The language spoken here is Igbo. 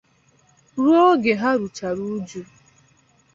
ruo oge ha ruchara uju